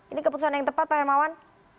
ini keputusan yang tepat pak hermawan